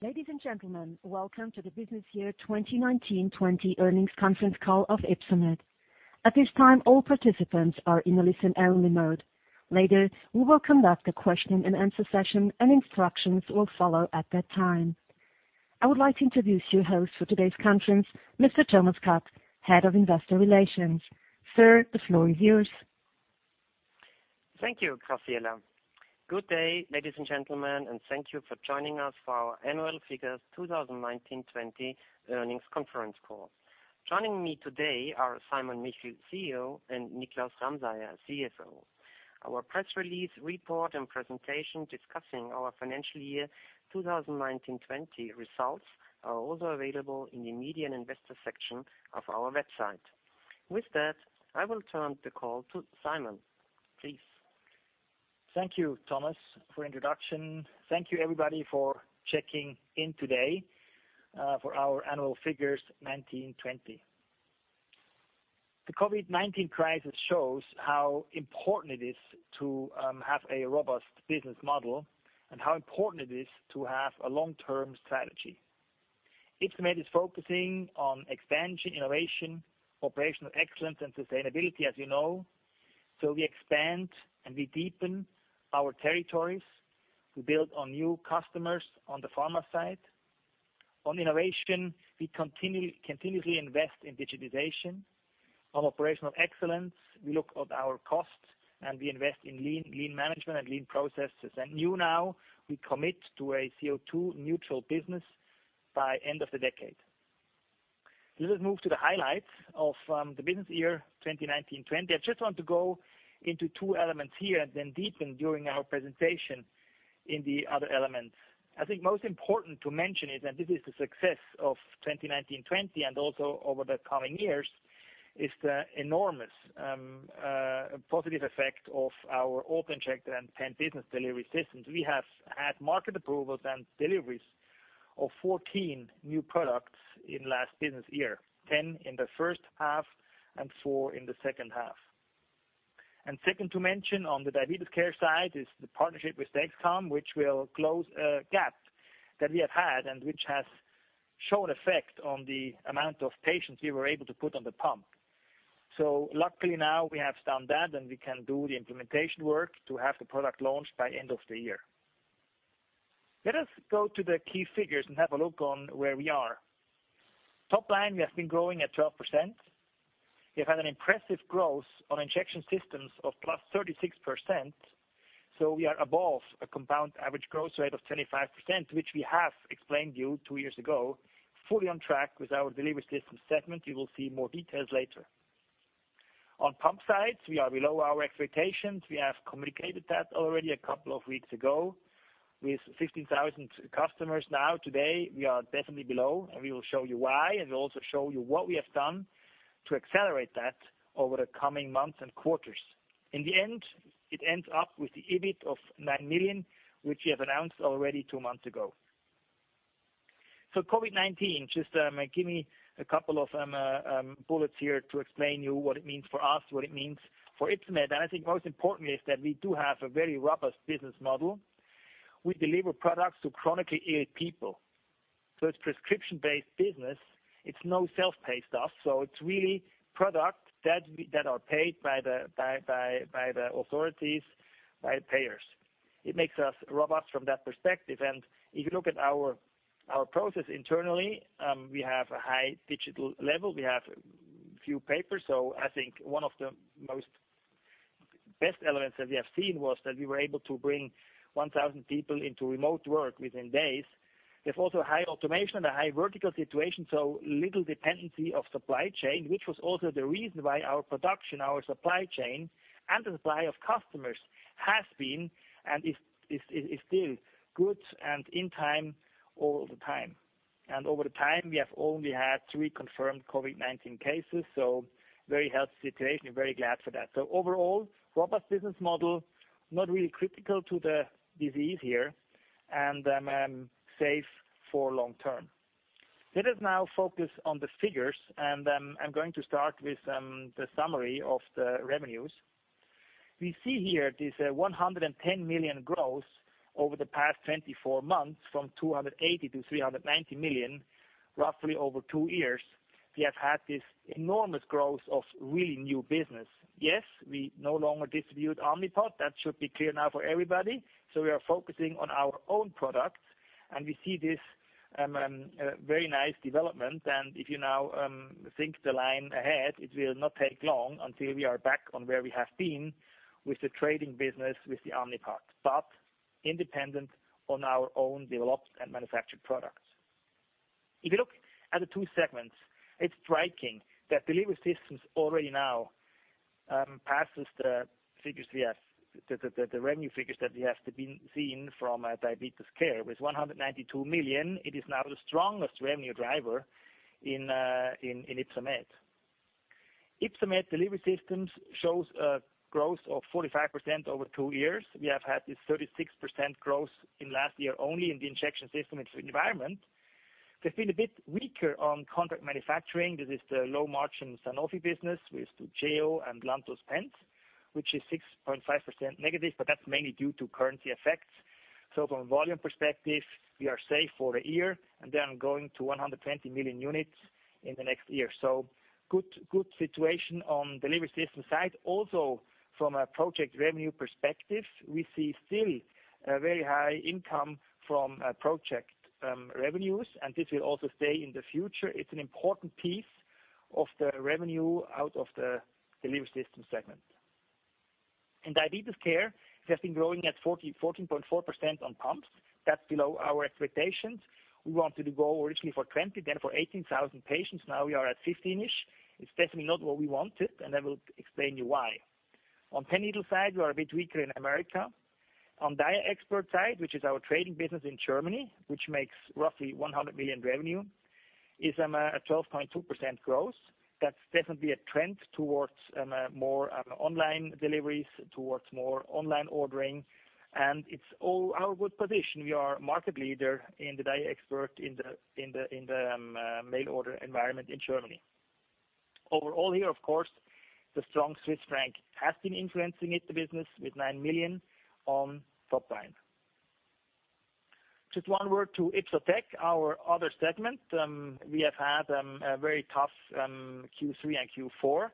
Ladies and gentlemen, welcome to the business year 2019/2020 earnings conference call of Ypsomed. At this time, all participants are in a listen-only mode. Later, we will conduct a question and answer session, and instructions will follow at that time. I would like to introduce your host for today's conference, Mr. Thomas Kutt, Head of Investor Relations. Sir, the floor is yours. Thank you, Gabriela. Good day, ladies and gentlemen, and thank you for joining us for our annual figures 2019/2020 earnings conference call. Joining me today are Simon Michel, CEO, and Niklaus Ramseier, CFO. Our press release report and presentation discussing our financial year 2019/2020 results are also available in the media and investor section of our website. With that, I will turn the call to Simon, please. Thank you, Thomas, for introduction. Thank you everybody for checking in today for our annual figures 2019/2020. The COVID-19 crisis shows how important it is to have a robust business model and how important it is to have a long-term strategy. Ypsomed is focusing on expansion, innovation, operational excellence, and sustainability, as you know. We expand and we deepen our territories. We build on new customers on the pharma side. On innovation, we continuously invest in digitization. On operational excellence, we look at our costs, and we invest in lean management and lean processes. New now, we commit to a CO2 neutral business by end of the decade. Let us move to the highlights of the business year 2019/2020. I just want to go into two elements here and then deepen during our presentation in the other elements. I think most important to mention is that this is the success of 2019/2020 and also over the coming years, is the enormous positive effect of our auto-injector and pen business Delivery Systems. We have had market approvals and deliveries of 14 new products in last business year. 10 in the first half and four in the second half. Second to mention on the Diabetes Care side is the partnership with Dexcom, which will close a gap that we have had and which has shown effect on the amount of patients we were able to put on the pump. Luckily now we have done that, and we can do the implementation work to have the product launched by end of the year. Let us go to the key figures and have a look on where we are. Top line, we have been growing at 12%. We have had an impressive growth on injection systems of +36%, so we are above a compound average growth rate of 25%, which we have explained to you two years ago, fully on track with our Delivery Systems segment. On pump side, we are below our expectations. We have communicated that already a couple of weeks ago. With 15,000 customers now today, we are definitely below, and we will show you why, and we'll also show you what we have done to accelerate that over the coming months and quarters. In the end, it ends up with the EBIT of 9 million, which we have announced already two months ago. COVID-19, just give me a couple of bullets here to explain to you what it means for us, what it means for Ypsomed. I think most importantly is that we do have a very robust business model. We deliver products to chronically ill people. It's prescription-based business. It's no self-pay stuff. It's really product that are paid by the authorities, by payers. It makes us robust from that perspective. If you look at our process internally, we have a high digital level. We have few papers. I think one of the most best elements that we have seen was that we were able to bring 1,000 people into remote work within days. We have also high automation and a high vertical situation, so little dependency of supply chain, which was also the reason why our production, our supply chain, and the supply of customers has been and is still good and in time all the time. Over the time, we have only had three confirmed COVID-19 cases, so very healthy situation. We're very glad for that. Overall, robust business model, not really critical to the disease here and safe for long term. Let us now focus on the figures, and I'm going to start with the summary of the revenues. We see here this 110 million growth over the past 24 months from 280 to 390 million, roughly over two years. We have had this enormous growth of really new business. Yes, we no longer distribute Omnipod. That should be clear now for everybody. We are focusing on our own products, and we see this very nice development. If you now think the line ahead, it will not take long until we are back on where we have been with the trading business with the Omnipod, but independent on our own developed and manufactured products. If you look at the two segments, it's striking that Delivery Systems already now passes the revenue figures that we have seen from Diabetes Care. With 192 million, it is now the strongest revenue driver in Ypsomed. Ypsomed Delivery Systems shows a growth of 45% over two years. We have had this 36% growth in last year only in the injection system environment. We've been a bit weaker on contract manufacturing. This is the low margin Sanofi business with the Toujeo and Lantus pens, which is 6.5% negative, but that's mainly due to currency effects. From a volume perspective, we are safe for the year, and then going to 120 million units in the next year. Good situation on Delivery Systems side. Also from a project revenue perspective, we see still a very high income from project revenues, and this will also stay in the future. It's an important piece of the revenue out of the Delivery Systems segment. In Diabetes Care, we have been growing at 14.4% on pumps. That's below our expectations. We wanted to go originally for 20%, then for 18,000 patients. Now we are at 15,000-ish. It's definitely not what we wanted, and I will explain you why. On pen needle side, we are a bit weaker in America. On DiaExpert side, which is our trading business in Germany, which makes roughly 100 million revenue, is a 12.2% growth. That's definitely a trend towards more online deliveries, towards more online ordering, and it's all our good position. We are market leader in the DiaExpert in the mail order environment in Germany. Overall here, of course, the strong Swiss franc has been influencing the business with 9 million on top line. Just one word to Ypsotec, our other segment. We have had a very tough Q3 and Q4.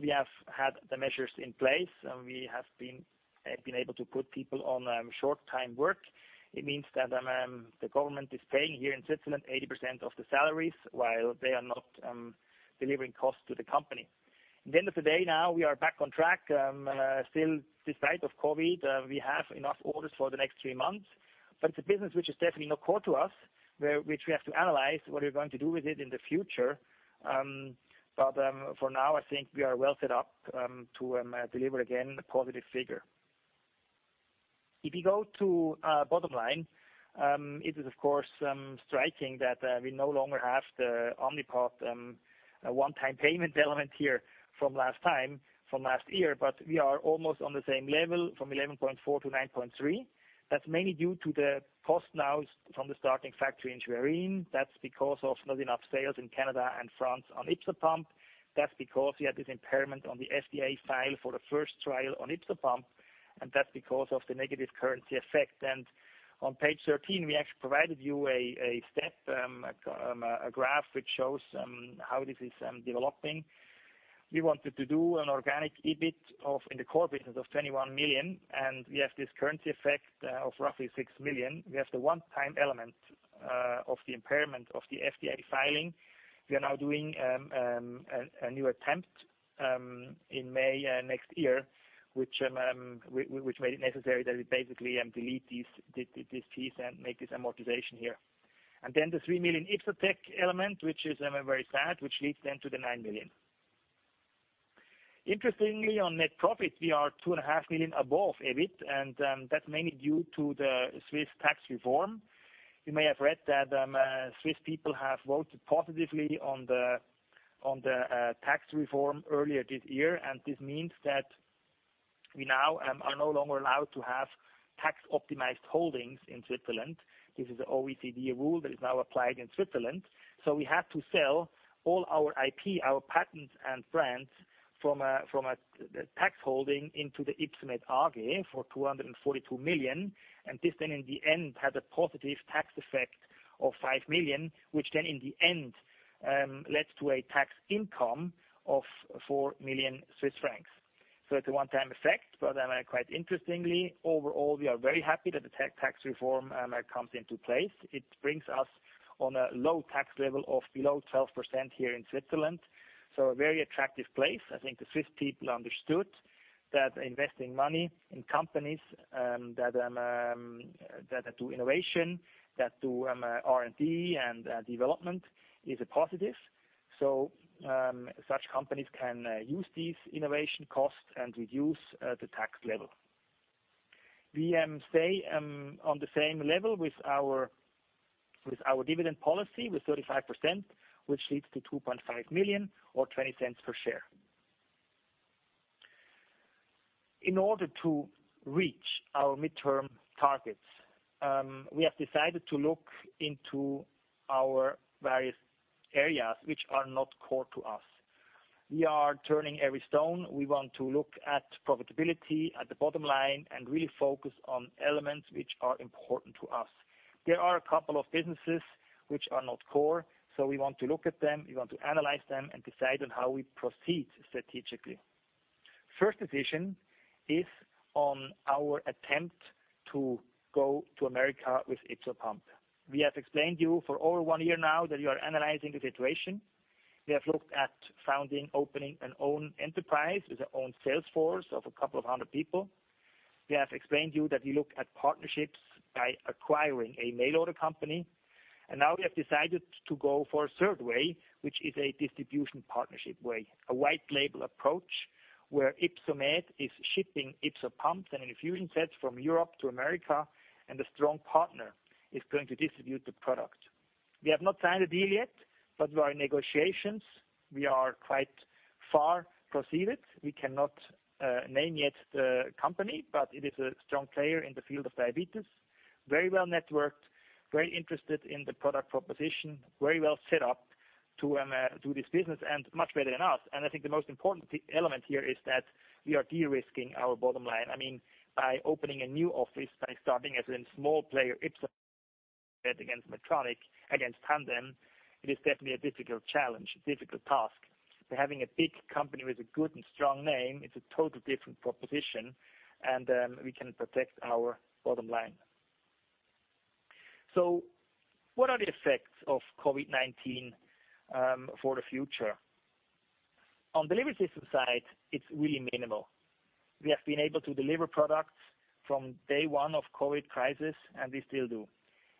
We have had the measures in place, and we have been able to put people on short time work. It means that the government is paying here in Switzerland 80% of the salaries while they are not delivering costs to the company. At the end of the day now, we are back on track. Still despite of COVID-19, we have enough orders for the next three months. It's a business which is definitely not core to us, which we have to analyze what we're going to do with it in the future. For now, I think we are well set up to deliver again a positive figure. If you go to bottom line, it is of course striking that we no longer have the Omnipod one-time payment element here from last time, from last year, but we are almost on the same level from 11.4 to 9.3. That's mainly due to the cost now from the starting factory in Schwerin. That's because of not enough sales in Canada and France on YpsoPump. That's because we had this impairment on the FDA file for the first trial on YpsoPump, and that's because of the negative currency effect. On page 13, we actually provided you a step, a graph which shows how this is developing. We wanted to do an organic EBIT of, in the core business, of 21 million. We have this currency effect of roughly 6 million. We have the one-time element of the impairment of the FDA filing. We are now doing a new attempt in May next year, which made it necessary that we basically delete this piece and make this amortization here. The 3 million Ypsotec element, which is very sad, which leads then to the 9 million. Interestingly, on net profit, we are 2.5 million above EBIT. That is mainly due to the Swiss tax reform. You may have read that Swiss people have voted positively on the tax reform earlier this year. This means that we now are no longer allowed to have tax-optimized holdings in Switzerland. This is an OECD rule that is now applied in Switzerland. We have to sell all our IP, our patents, and brands from a tax holding into the Ypsomed AG for 242 million. This then in the end had a positive tax effect of 5 million, which then in the end leads to a tax income of 4 million Swiss francs. It's a one-time effect, but quite interestingly, overall, we are very happy that the tax reform comes into place. It brings us on a low tax level of below 12% here in Switzerland, so a very attractive place. I think the Swiss people understood that investing money in companies that do innovation, that do R&D and development is a positive. Such companies can use these innovation costs and reduce the tax level. We stay on the same level with our dividend policy with 35%, which leads to 2.5 million or 0.20 per share. In order to reach our midterm targets, we have decided to look into our various areas which are not core to us. We are turning every stone. We want to look at profitability, at the bottom line, and really focus on elements which are important to us. There are a couple of businesses which are not core, so we want to look at them, we want to analyze them, and decide on how we proceed strategically. First decision is on our attempt to go to America with YpsoPump. We have explained you for over one year now that we are analyzing the situation. We have looked at founding, opening an own enterprise with our own sales force of a couple of 100 people. We have explained you that we look at partnerships by acquiring a mail order company. Now we have decided to go for a third way, which is a distribution partnership way, a white label approach, where Ypsomed is shipping YpsoPumps and infusion sets from Europe to America, and a strong partner is going to distribute the product. We have not signed a deal yet, but we are in negotiations. We are quite far proceeded. We cannot name yet the company, but it is a strong player in the field of diabetes, very well-networked, very interested in the product proposition, very well set up to do this business, and much better than us. I think the most important element here is that we are de-risking our bottom line. By opening a new office, by starting as a small player, Ypsomed against Medtronic, against Tandem, it is definitely a difficult challenge, a difficult task. Having a big company with a good and strong name, it's a total different proposition, and we can protect our bottom line. What are the effects of COVID-19 for the future? On Delivery Systems side, it's really minimal. We have been able to deliver products from day one of COVID crisis, and we still do.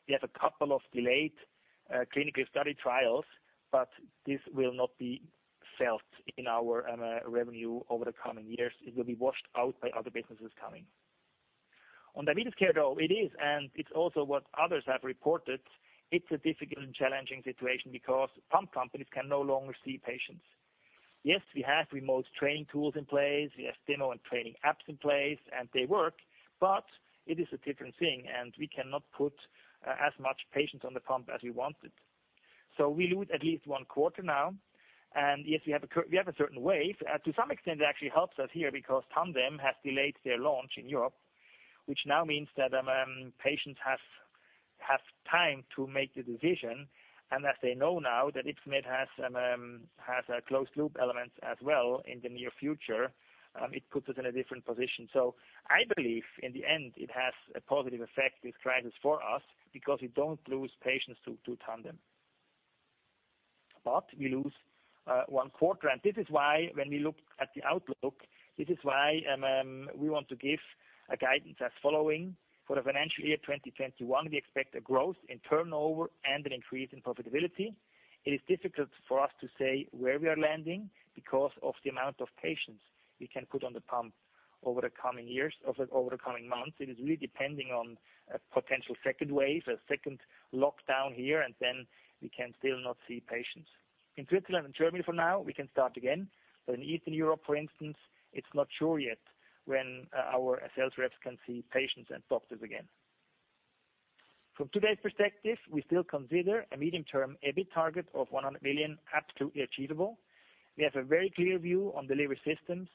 We have a couple of delayed clinical study trials, this will not be felt in our revenue over the coming years. It will be washed out by other businesses coming. On Diabetes Care, though, it is, and it's also what others have reported. It's a difficult and challenging situation because pump companies can no longer see patients. Yes, we have remote training tools in place. We have demo and training apps in place. They work, but it is a different thing. We cannot put as much patients on the pump as we wanted. We lose at least one quarter now. Yes, we have a certain wave. To some extent, it actually helps us here because Tandem has delayed their launch in Europe, which now means that patients have time to make the decision. As they know now that Ypsomed has a closed loop element as well in the near future, it puts us in a different position. I believe in the end, it has a positive effect, this crisis, for us because we don't lose patients to Tandem. We lose one quarter. This is why when we look at the outlook, this is why we want to give a guidance as following. For FY 2021, we expect a growth in turnover and an increase in profitability. It is difficult for us to say where we are landing because of the amount of patients we can put on the pump over the coming months. It is really depending on a potential second wave, a second lockdown here, and then we can still not see patients. In Switzerland and Germany for now, we can start again. In Eastern Europe, for instance, it's not sure yet when our sales reps can see patients and doctors again. From today's perspective, we still consider a medium-term EBIT target of 100 million absolutely achievable. We have a very clear view on Delivery Systems.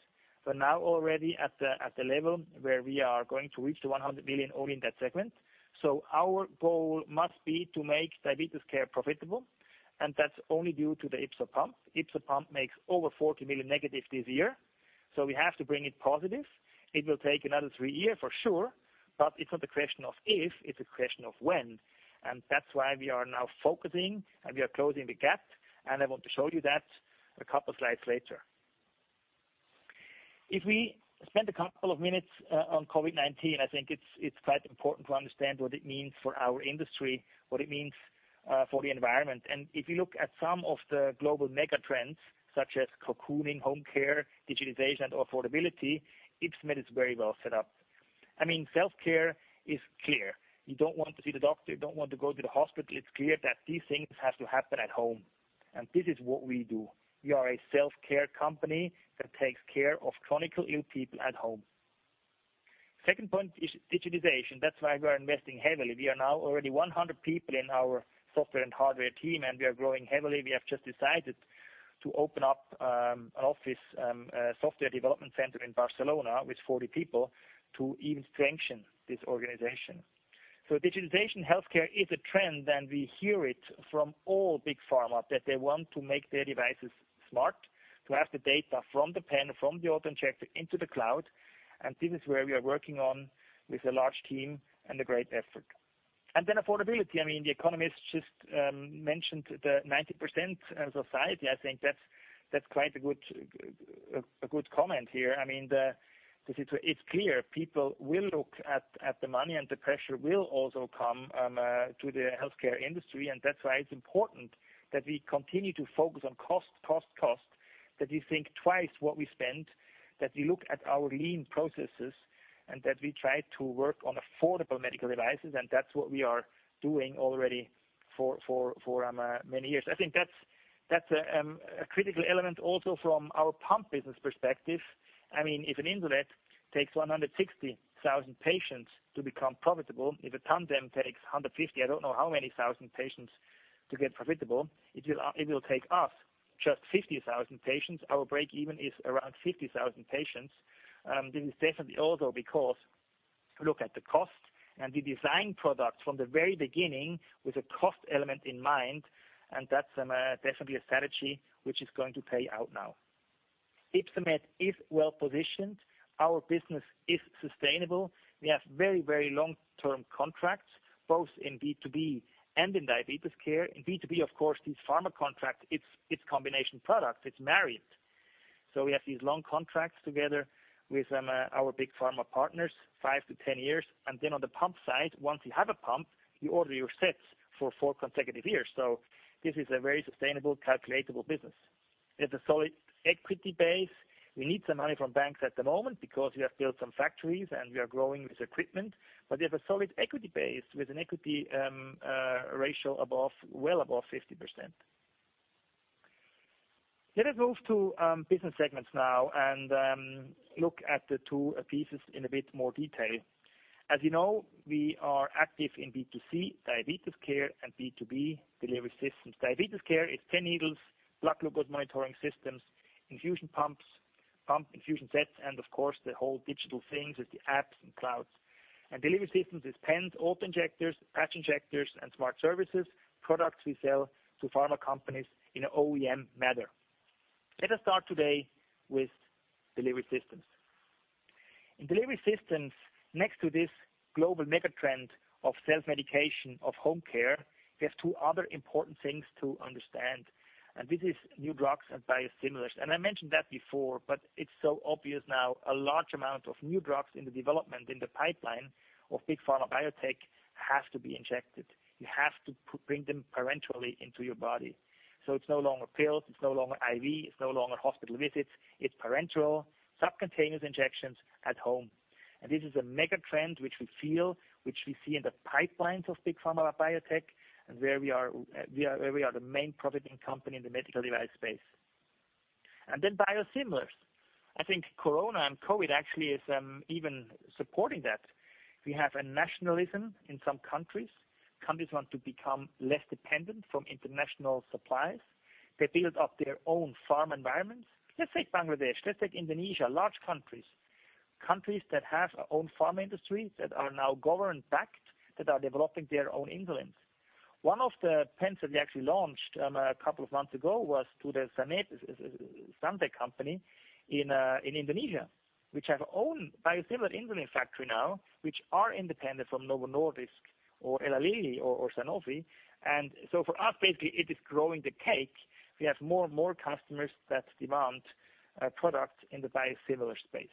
We're now already at the level where we are going to reach the 100 million only in that segment. Our goal must be to make Diabetes Care profitable, and that's only due to the YpsoPump. YpsoPump makes over 40 million negative this year, so we have to bring it positive. It will take another three year for sure, but it's not a question of if, it's a question of when. That's why we are now focusing and we are closing the gap, and I want to show you that a couple slides later. If we spend a couple of minutes on COVID-19, I think it's quite important to understand what it means for our industry, what it means for the environment. If you look at some of the global mega trends, such as cocooning, home care, digitalization, or affordability, Ypsomed is very well set up. Self-care is clear. You don't want to see the doctor. You don't want to go to the hospital. It's clear that these things have to happen at home. This is what we do. We are a self-care company that takes care of chronically ill people at home. Second point is digitization. That's why we're investing heavily. We are now already 100 people in our software and hardware team, and we are growing heavily. We have just decided to open up an office, software development center in Barcelona with 40 people to even strengthen this organization. Digitization healthcare is a trend, and we hear it from all big pharma, that they want to make their devices smart, to have the data from the pen, from the auto-injector into the cloud. This is where we are working on with a large team and a great effort. Affordability. The economist just mentioned the 90% society. I think that's quite a good comment here. It's clear people will look at the money, the pressure will also come to the healthcare industry. That's why it's important that we continue to focus on cost. That we think twice what we spend, that we look at our lean processes, that we try to work on affordable medical devices, that's what we are doing already for many years. I think that's a critical element also from our pump business perspective. If an Insulet takes 160,000 patients to become profitable, if a Tandem takes 150, I don't know how many thousand patients to get profitable, it will take us just 50,000 patients. Our break even is around 50,000 patients. This is definitely also because look at the cost we design products from the very beginning with a cost element in mind, that's definitely a strategy which is going to pay out now. Ypsomed is well-positioned. Our business is sustainable. We have very long-term contracts, both in B2B and in Diabetes Care. In B2B, of course, these pharma contracts, it's combination products. It's married. We have these long contracts together with our big pharma partners, 5-10 years. On the pump side, once you have a pump, you order your sets for four consecutive years. This is a very sustainable, calculatable business. We have a solid equity base. We need some money from banks at the moment because we have built some factories and we are growing with equipment, but we have a solid equity base with an equity ratio well above 50%. Let us move to business segments now and look at the two pieces in a bit more detail. As you know, we are active in B2C, Diabetes Care and B2B Delivery Systems. Diabetes Care is pen needles, blood glucose monitoring systems, infusion pumps, pump infusion sets, and of course the whole digital things with the apps and clouds. Delivery Systems is pens, auto-injectors, patch injectors, and smart services, products we sell to pharma companies in an OEM manner. Let us start today with Delivery Systems. In Delivery Systems, next to this global mega-trend of self-medication, of home care, there are two other important things to understand, this is new drugs and biosimilars. I mentioned that before, but it is so obvious now, a large amount of new drugs in the development, in the pipeline of big pharma biotech have to be injected. You have to bring them parenterally into your body. It is no longer pills, it is no longer IV, it is no longer hospital visits. It is parenteral, subcutaneous injections at home. This is a mega trend which we feel, which we see in the pipelines of big pharma biotech and where we are the main profiting company in the medical device space. Biosimilars. I think corona and COVID actually is even supporting that. We have a nationalism in some countries. Countries want to become less dependent from international suppliers. They build up their own pharma environments. Let's take Bangladesh, let's take Indonesia, large countries. Countries that have their own pharma industries, that are now government-backed, that are developing their own insulins. One of the pens that we actually launched a couple of months ago was to the Sanbe company in Indonesia, which have own biosimilar insulin factory now, which are independent from Novo Nordisk or Eli Lilly or Sanofi. For us, basically it is growing the cake. We have more and more customers that demand product in the biosimilar space.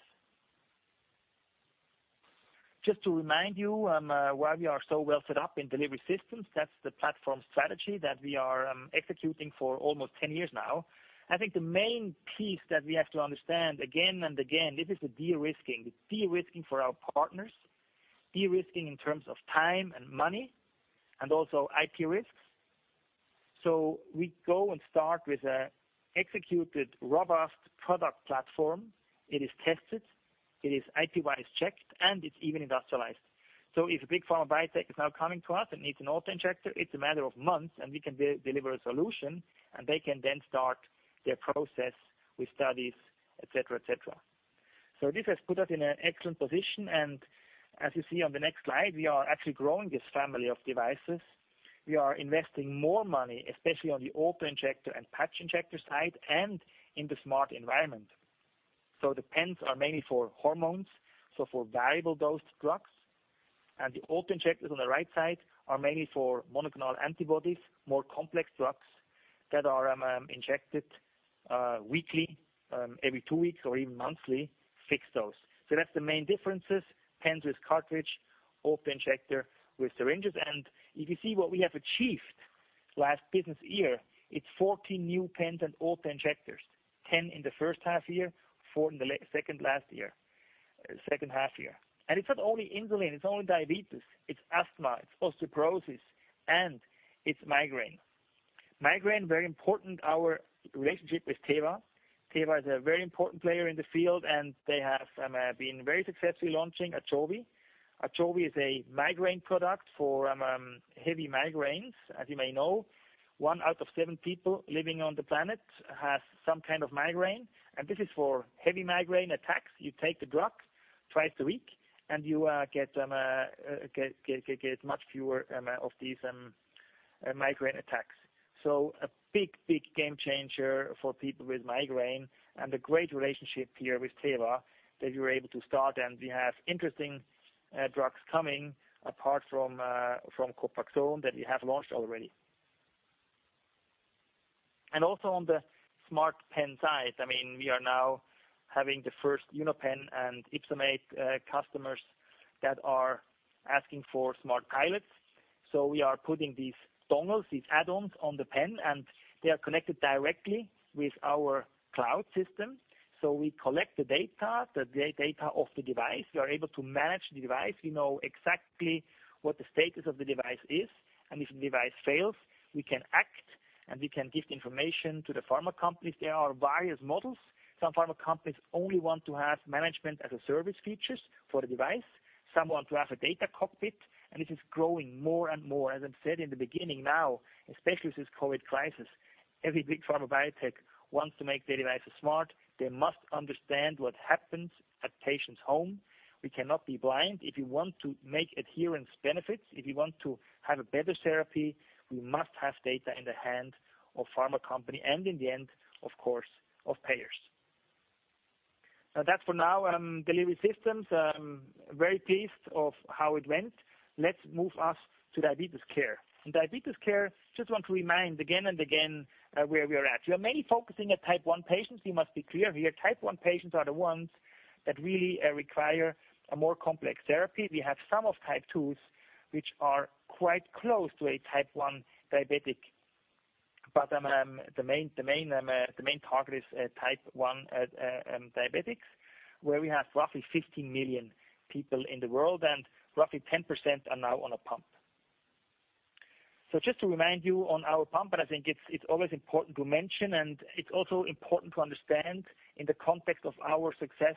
Just to remind you why we are so well set up in Delivery Systems. That's the platform strategy that we are executing for almost 10 years now. I think the main piece that we have to understand again and again, this is the de-risking. The de-risking for our partners, de-risking in terms of time and money and also IP risks. We go and start with an executed, robust product platform. It is tested, it is IP-wise checked, and it's even industrialized. If a big pharma biotech is now coming to us and needs an auto-injector, it's a matter of months and we can deliver a solution, and they can then start their process with studies, et cetera. This has put us in an excellent position, and as you see on the next slide, we are actually growing this family of devices. We are investing more money, especially on the auto-injector and patch injector side and in the smart environment. The pens are mainly for hormones, for variable dosed drugs. The auto-injectors on the right side are mainly for monoclonal antibodies, more complex drugs that are injected weekly, every two weeks or even monthly, fixed dose. That's the main differences. Pens with cartridge, auto-injector with syringes. If you see what we have achieved last business year, it's 14 new pens and auto-injectors. 10 in the first half year, four in the second half year. It's not only insulin, it's not only diabetes, it's asthma, it's osteoporosis, and it's migraine. migraine, very important, our relationship with Teva. Teva is a very important player in the field, and they have been very successfully launching Ajovy. Ajovy is a migraine product for heavy migraines. As you may know, one out of seven people living on the planet has some kind of migraine, and this is for heavy migraine attacks. You take the drug twice a week and you get much fewer of these migraine attacks. A big game changer for people with migraine and a great relationship here with Teva that we were able to start, and we have interesting drugs coming apart from Copaxone that we have launched already. Also on the smart pen side, we are now having the first YpsoPen and YpsoMate customers that are asking for smart pilots. We are putting these dongles, these add-ons on the pen, and they are connected directly with our cloud system. We collect the data, the data of the device. We are able to manage the device. We know exactly what the status of the device is, and if the device fails, we can act, and we can give the information to the pharma companies. There are various models. Some pharma companies only want to have management as a service features for the device. Some want to have a data cockpit, and this is growing more and more. As I said in the beginning now, especially with this COVID-19 crisis, every big pharma biotech wants to make their devices smart. They must understand what happens at patient's home. We cannot be blind. If we want to make adherence benefits, if we want to have a better therapy, we must have data in the hand of pharma company, and in the end, of course, of payers. That's for now, Delivery Systems. I'm very pleased of how it went. Let's move us to Diabetes Care. In Diabetes Care, just want to remind again and again where we are at. We are mainly focusing at type-1 patients. We must be clear here. Type-1 patients are the ones that really require a more complex therapy. We have some of type-2s which are quite close to a type-1 diabetic. The main target is type-1 diabetics, where we have roughly 15 million people in the world, and roughly 10% are now on a pump. Just to remind you on our pump, and I think it's always important to mention, and it's also important to understand in the context of our success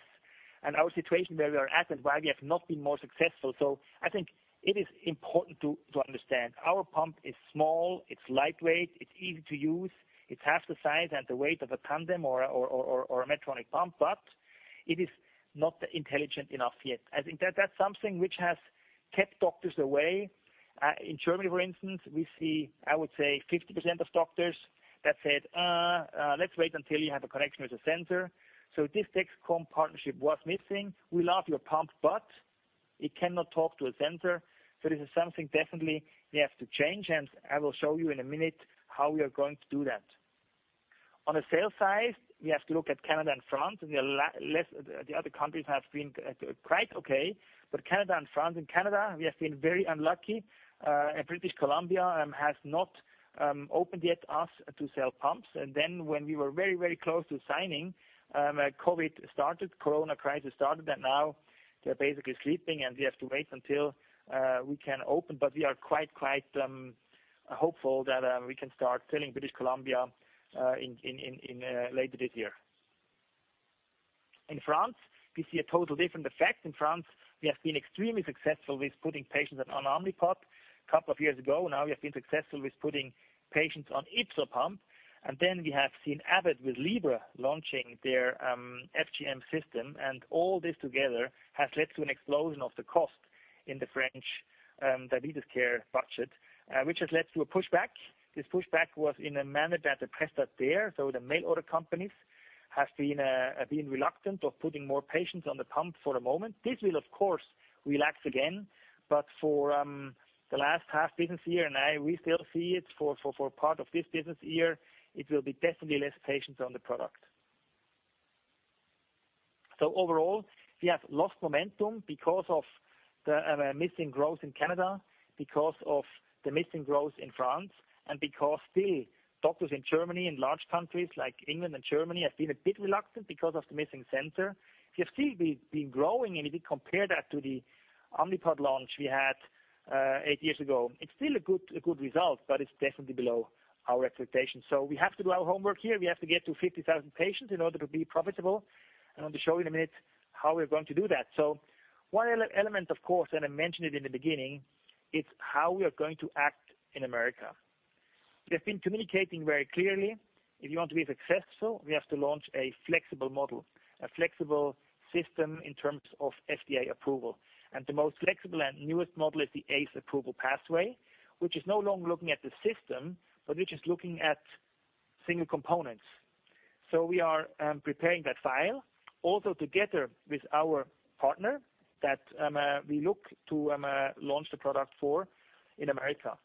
and our situation where we are at and why we have not been more successful. I think it is important to understand. Our pump is small, it's lightweight, it's easy to use. It's half the size and the weight of a Tandem or a Medtronic pump, but it is not intelligent enough yet. I think that's something which has kept doctors away. In Germany, for instance, we see, I would say 50% of doctors that said, "Let's wait until you have a connection with a sensor. This Dexcom partnership was missing. We love your pump, but it cannot talk to a sensor." This is something definitely we have to change, and I will show you in a minute how we are going to do that. On the sales side, we have to look at Canada and France. The other countries have been quite okay, but Canada and France. In Canada, we have been very unlucky. British Columbia has not opened yet us to sell pumps. When we were very close to signing, COVID started, corona crisis started, and now they're basically sleeping, and we have to wait until we can open. We are quite hopeful that we can start selling British Columbia later this year. In France, we see a total different effect. In France, we have been extremely successful with putting patients on Omnipod a couple of years ago. We have been successful with putting patients on YpsoPump, and then we have seen Abbott with Libre launching their FGM system, and all this together has led to an explosion of the cost in the French diabetes care budget, which has led to a pushback. This pushback was in a manner that the prestataires, so the mail order companies, have been reluctant of putting more patients on the pump for a moment. This will, of course, relax again, but for the last half business year, and we still see it for part of this business year, it will be definitely less patients on the product. Overall, we have lost momentum because of the missing growth in Canada, because of the missing growth in France, and because still doctors in Germany and large countries like England and Germany have been a bit reluctant because of the missing sensor. We have still been growing, and if you compare that to the Omnipod launch we had eight years ago, it's still a good result, but it's definitely below our expectations. We have to do our homework here. We have to get to 50,000 patients in order to be profitable, and I'll show you in a minute how we're going to do that. One element, of course, and I mentioned it in the beginning, it's how we are going to act in the America. They've been communicating very clearly. If we want to be successful, we have to launch a flexible model, a flexible system in terms of FDA approval. The most flexible and newest model is the ACE approval pathway, which is no longer looking at the system, but which is looking at single components. We are preparing that file also together with our partner that we look to launch the product for in America.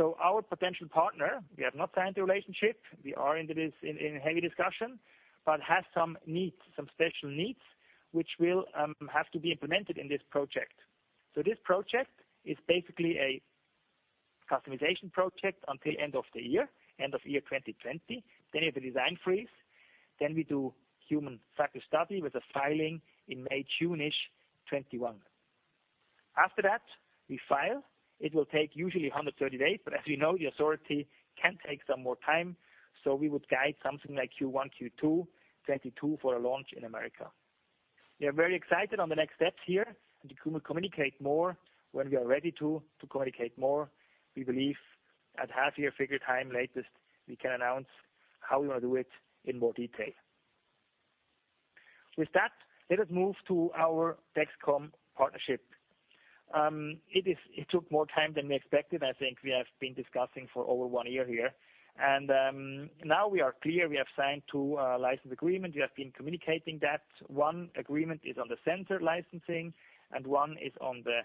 Our potential partner, we have not signed the relationship, we are in heavy discussion, but has some needs, some special needs, which will have to be implemented in this project. This project is basically a customization project until end of the year 2020. We have a design freeze. We do human factor study with a filing in May, June-ish 2021. After that, we file. It will take usually 130 days, but as we know, the authority can take some more time. We would guide something like Q1, Q2 2022 for a launch in America. We are very excited on the next steps here, and we communicate more when we are ready to communicate more. We believe at half year figure time latest, we can announce how we want to do it in more detail. With that, let us move to our Dexcom partnership. It took more time than we expected. I think we have been discussing for over one year here. Now we are clear. We have signed two license agreement. We have been communicating that. One agreement is on the sensor licensing and one is on the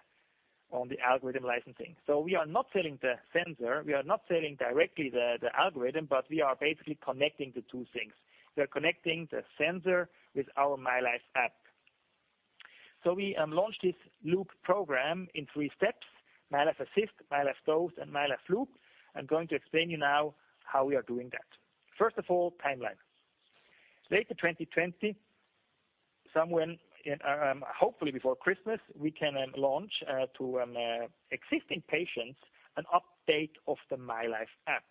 algorithm licensing. We are not selling the sensor, we are not selling directly the algorithm, but we are basically connecting the two things. We are connecting the sensor with our myLife app. We launched this loop program in three steps, myLife Assist, myLife Dose, and myLife Loop. I'm going to explain you now how we are doing that. First of all, timeline. Later 2020, hopefully before Christmas, we can launch to existing patients an update of the myLife app.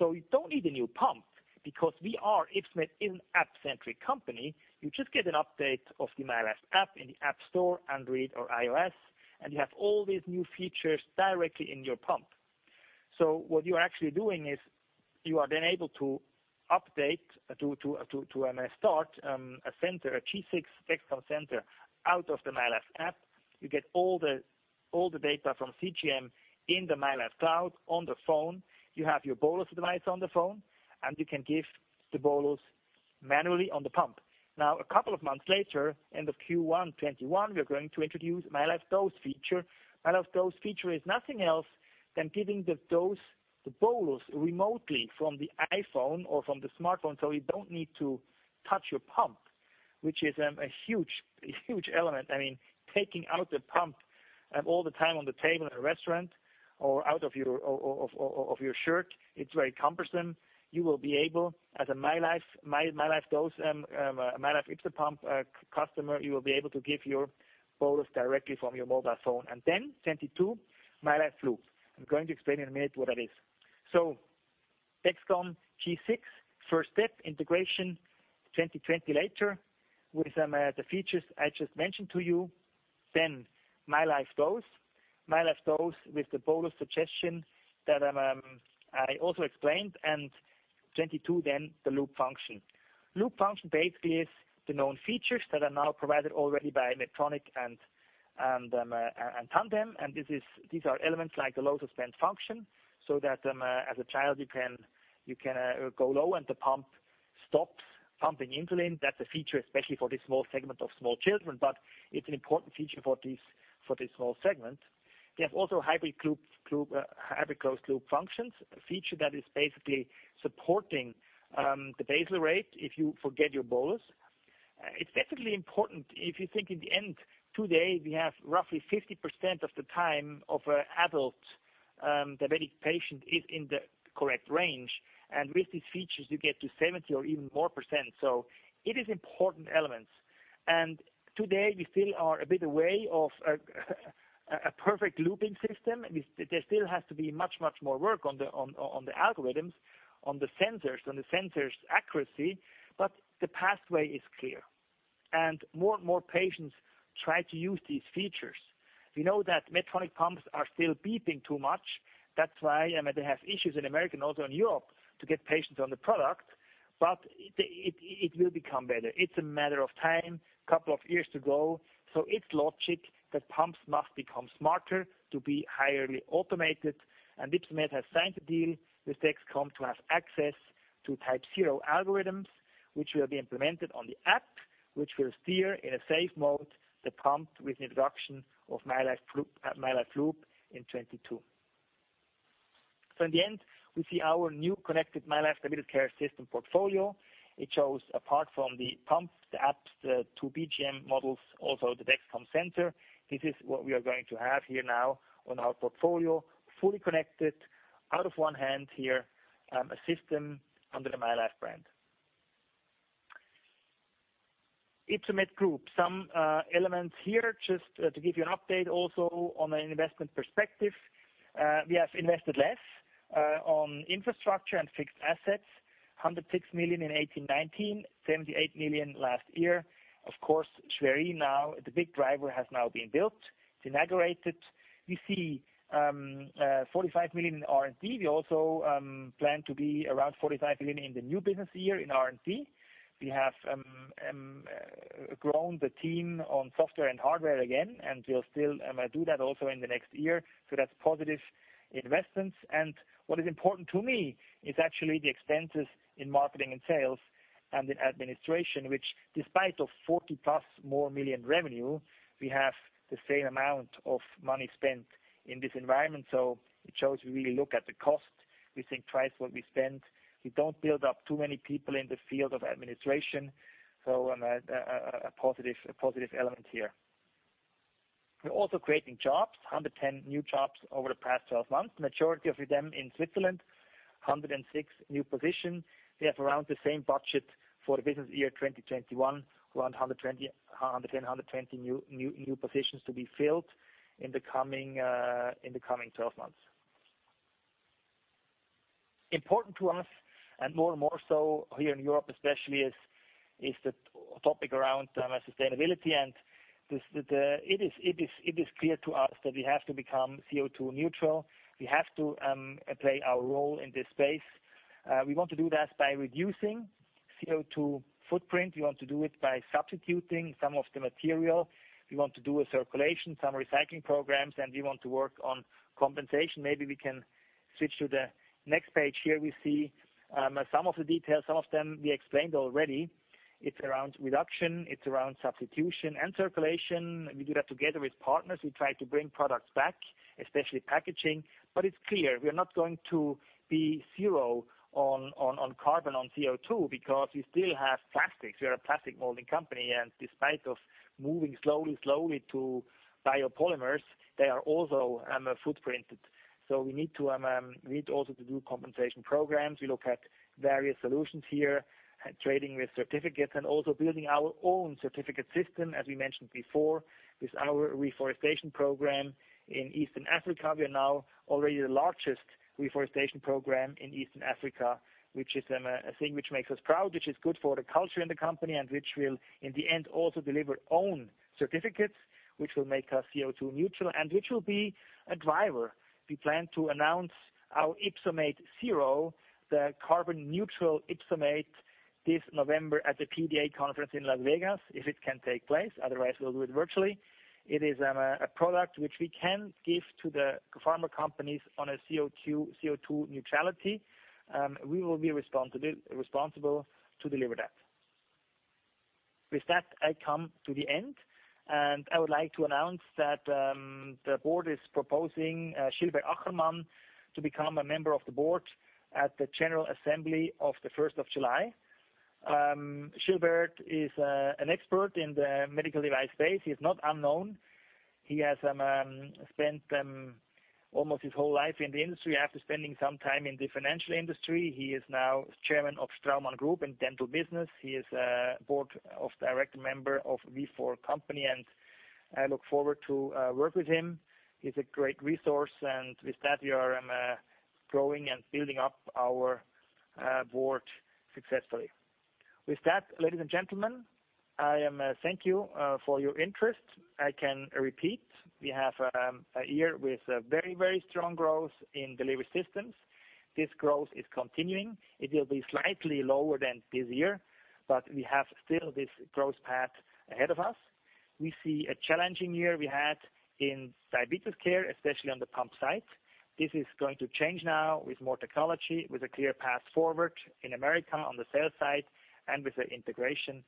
You don't need a new pump because Ypsomed is an app-centric company. You just get an update of the myLife app in the App Store, Android, or iOS, and you have all these new features directly in your pump. What you're actually doing is you are then able to update to start a G6 Dexcom sensor out of the myLife app. You get all the data from CGM in the myLife Cloud on the phone. You have your bolus device on the phone, and you can give the bolus manually on the pump. A couple of months later, end of Q1 2021, we're going to introduce myLife Dose feature. myLife Dose feature is nothing else than giving the dose, the bolus remotely from the iPhone or from the smartphone, so you don't need to touch your pump, which is a huge element. Taking out the pump all the time on the table in a restaurant or out of your shirt, it's very cumbersome. You will be able, as a myLife YpsoPump customer, you will be able to give your bolus directly from your mobile phone and then send it to myLife Loop. I'm going to explain in a minute what that is. Dexcom G6, first step, integration 2020 later with the features I just mentioned to you. myLife Dose. myLife Dose with the bolus suggestion that I also explained, 2022, the loop function. Loop function basically is the known features that are now provided already by Medtronic and Tandem. These are elements like the lows suspend function, so that as a child you can go low and the pump stops pumping insulin. That's a feature especially for this small segment of small children. It's an important feature for this small segment. We have also hybrid closed loop functions, a feature that is basically supporting the basal rate if you forget your bolus. It's definitely important if you think in the end, today, we have roughly 50% of the time of adult diabetic patient is in the correct range, and with these features, you get to 70% or even more percent. It is important elements. Today we still are a bit away of a perfect looping system. There still has to be much, much more work on the algorithms, on the sensors, on the sensors' accuracy, but the pathway is clear. More and more patients try to use these features. We know that Medtronic pumps are still beeping too much. That's why they have issues in America and also in Europe to get patients on the product, but it will become better. It's a matter of time, couple of years to go. It's logic that pumps must become smarter to be highly automated. Ypsomed has signed a deal with Dexcom to have access to TypeZero algorithms, which will be implemented on the app, which will steer in a safe mode the pump with the introduction of myLife Loop in 2022. In the end, we see our new connected myLife Diabetes Care system portfolio. It shows apart from the pump, the apps, the two BGM models, also the Dexcom sensor. This is what we are going to have here now on our portfolio, fully connected out of one hand here, a system under the myLife brand. Ypsomed Group, some elements here just to give you an update also on an investment perspective. We have invested less on infrastructure and fixed assets, 106 million in 2018/2019, 78 million last year. Of course, Schwerin now, the big driver, has now been built. It's inaugurated. We see 45 million in R&D. We also plan to be around 45 million in the new business year in R&D. We have grown the team on software and hardware again, and we'll still do that also in the next year. That's positive investments. What is important to me is actually the expenses in marketing and sales and in administration, which despite of 40+ more million revenue, we have the same amount of money spent in this environment. It shows we really look at the cost, we think twice what we spend. We don't build up too many people in the field of administration. A positive element here. We're also creating jobs, 110 new jobs over the past 12 months, majority of them in Switzerland, 106 new position. We have around the same budget for the business year 2021, around 110, 120 new positions to be filled in the coming 12 months. Important to us, and more and more so here in Europe especially, is the topic around sustainability. It is clear to us that we have to become CO2 neutral. We have to play our role in this space. We want to do that by reducing CO2 footprint. We want to do it by substituting some of the material. We want to do a circulation, some recycling programs, and we want to work on compensation. Maybe we can switch to the next page here. We see some of the details. Some of them we explained already. It's around reduction, it's around substitution, and circulation. We do that together with partners. We try to bring products back, especially packaging. It's clear we are not going to be zero on carbon, on CO2, because we still have plastics. We are a plastic molding company, and despite moving slowly to biopolymers, they are also footprinted. We need also to do compensation programs. We look at various solutions here, trading with certificates, and also building our own certificate system, as we mentioned before, with our reforestation program in Eastern Africa. We are now already the largest reforestation program in Eastern Africa, which is a thing which makes us proud, which is good for the culture in the company, and which will, in the end, also deliver own certificates, which will make us CO2 neutral and which will be a driver. We plan to announce our Ypsomed Zero, the carbon neutral Ypsomed this November at the PDA conference in Las Vegas, if it can take place. Otherwise, we'll do it virtually. It is a product which we can give to the pharma companies on a CO2 neutrality. We will be responsible to deliver that. With that, I come to the end, and I would like to announce that the board is proposing Gilbert Achermann to become a member of the board at the general assembly of the 1st of July. Gilbert is an expert in the medical device space. He is not unknown. He has spent almost his whole life in the industry after spending some time in the financial industry. He is now Chairman of Straumann Group in dental business. He is a board of director member of Vifor company, and I look forward to work with him. He's a great resource, and with that, we are growing and building up our board successfully. With that, ladies and gentlemen, I thank you for your interest. I can repeat, we have a year with very strong growth in Delivery Systems. This growth is continuing. It will be slightly lower than this year, we have still this growth path ahead of us. We see a challenging year we had in Diabetes Care, especially on the pump side. This is going to change now with more technology, with a clear path forward in America on the sales side and with the integration.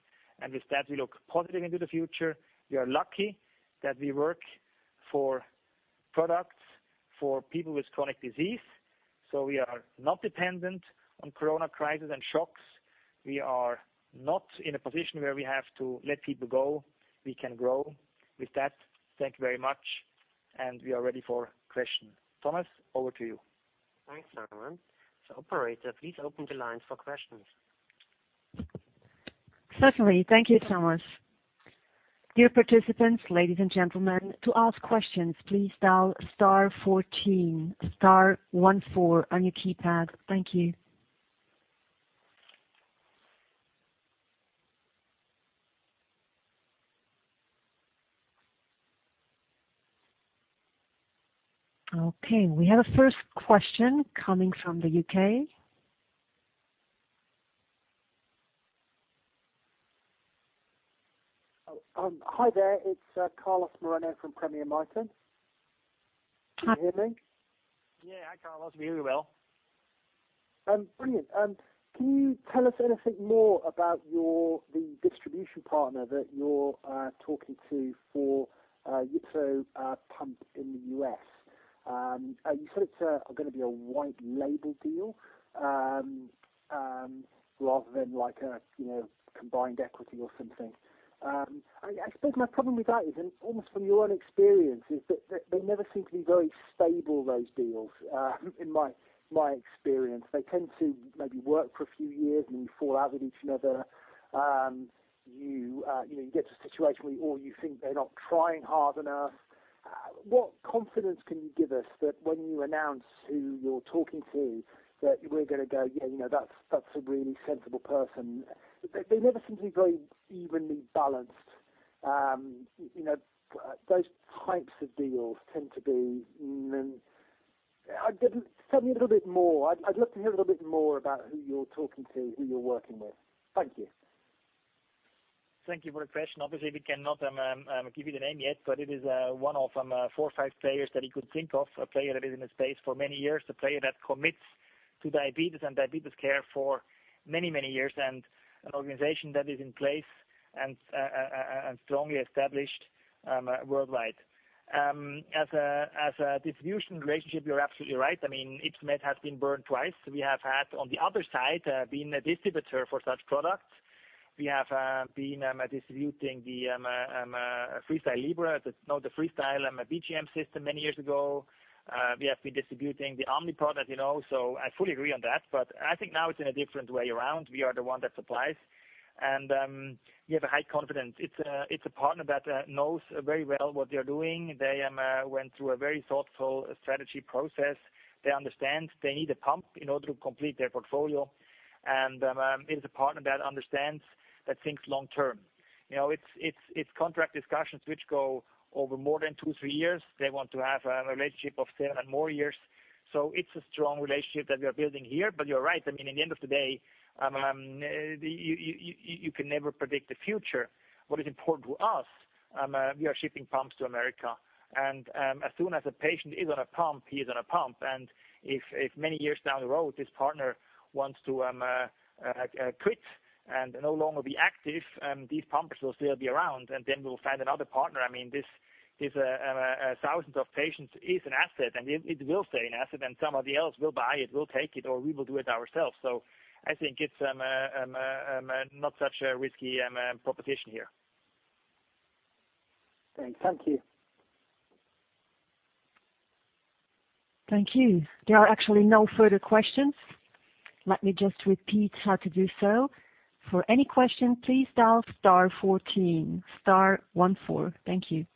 With that, we look positive into the future. We are lucky that we work for products for people with chronic disease. We are not dependent on corona crisis and shocks. We are not in a position where we have to let people go. We can grow. With that, thank you very much. We are ready for questions. Thomas, over to you. Thanks, Simon. Operator, please open the lines for questions. Certainly. Thank you, Thomas. Dear participants, ladies and gentlemen, to ask questions, please dial star 14, star one four on your keypad. Thank you. Okay, we have a first question coming from the U.K. Oh, hi there. It's Carlos Moreno from Premier Miton. Can you hear me? Yeah. Hi, Carlos. We hear you well. Brilliant. Can you tell us anything more about the distribution partner that you're talking to for YpsoPump in the U.S.? You said it's going to be a white label deal, rather than like a combined equity or something. I suppose my problem with that is, and almost from your own experience, is that they never seem to be very stable, those deals, in my experience. They tend to maybe work for a few years, and you fall out with each other. You get to a situation where you think they're not trying hard enough. What confidence can you give us that when you announce who you're talking to, that we're going to go, "Yeah, that's a really sensible person."? They never seem to be very evenly balanced. Those types of deals tend to be. Tell me a little bit more. I'd love to hear a little bit more about who you're talking to, who you're working with. Thank you. Thank you for the question. Obviously, we cannot give you the name yet, but it is one of four or five players that you could think of, a player that is in the space for many years, a player that commits to diabetes and diabetes care for many years, and an organization that is in place and strongly established worldwide. As a distribution relationship, you're absolutely right. Ypsomed has been burned twice. We have had, on the other side, been a distributor for such products. We have been distributing the FreeStyle Libre, the FreeStyle BGM system many years ago. We have been distributing the Omnipod, as you know. I fully agree on that. I think now it's in a different way around. We are the one that supplies, and we have a high confidence. It's a partner that knows very well what they're doing. They went through a very thoughtful strategy process. They understand they need a pump in order to complete their portfolio. It is a partner that understands, that thinks long-term. It's contract discussions which go over more than two, three years. They want to have a relationship of seven and more years. It's a strong relationship that we are building here. You're right. In the end of the day, you can never predict the future. What is important to us, we are shipping pumps to America. As soon as a patient is on a pump, he is on a pump. If many years down the road, this partner wants to quit and no longer be active, these pumps will still be around, and then we'll find another partner. These thousands of patients is an asset, and it will stay an asset, and somebody else will buy it, will take it, or we will do it ourselves. I think it's not such a risky proposition here. Thanks. Thank you. Thank you. There are actually no further questions. Let me just repeat how to do so. For any question, please dial star 14, star one four. Thank you.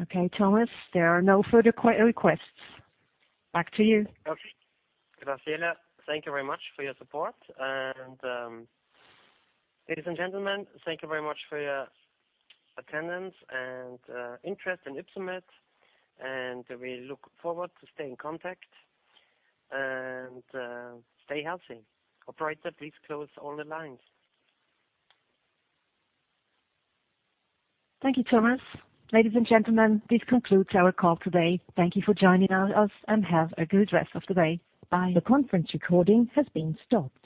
Okay, Thomas, there are no further requests. Back to you. Okay. [Graziella], thank you very much for your support. Ladies and gentlemen, thank you very much for your attendance and interest in Ypsomed. We look forward to staying in contact. Stay healthy. Operator, please close all the lines. Thank you, Thomas. Ladies and gentlemen, this concludes our call today. Thank you for joining us, and have a good rest of the day. Bye. The conference recording has been stopped.